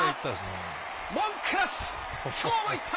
文句なし、きょうもいった！